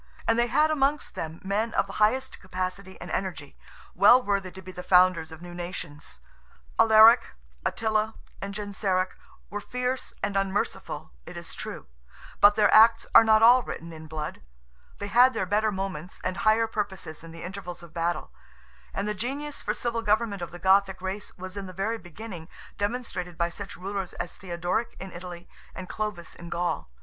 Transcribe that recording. And they had amongst them men of the highest capacity and energy, well worthy to be the founders of new nations. Alaric, Attila, and Genseric, were fierce and unmerciful it is true; but their acts are not all written in blood; they had their better moments and higher purposes in the intervals of battle; and the genius for civil government of the Gothic race was in the very beginning demonstrated by such rulers as Theodoric in Italy and Clovis in Gaul.